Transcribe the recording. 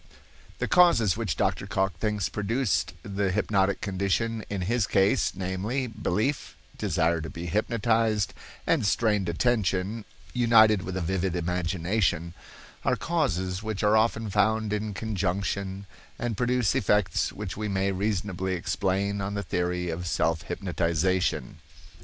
The causes which Dr. Cocke thinks produced the hypnotic condition in his case, namely, belief, desire to be hypnotized, and strained attention, united with a vivid imagination, are causes which are often found in conjunction and produce effects which we may reasonably explain on the theory of self hypnotization.